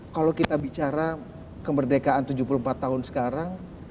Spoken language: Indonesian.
kalau kita bicara kemerdekaan tujuh puluh empat tahun sekarang